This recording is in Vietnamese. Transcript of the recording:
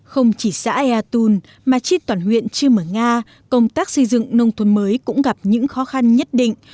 không chỉ xã ea tun mà chiếc toàn huyện chưa mở nga công tác xây dựng nông thuần mới cũng gặp những khó khăn nhất định